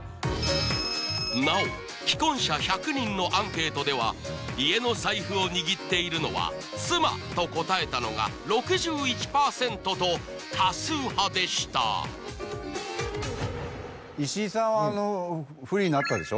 なお既婚者１００人のアンケートでは家の財布を握っているのは妻と答えたのが６１％と多数派でした石井さんはフリーになったでしょ？